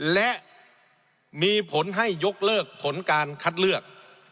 และมีผลให้ยกเลิกผลการคัดเลือก